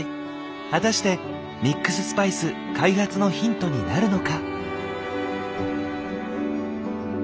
果たしてミックススパイス開発のヒントになるのか？